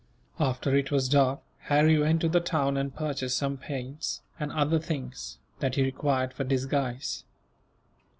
After it was dark, Harry went to the town and purchased some paints, and other things, that he required for disguise.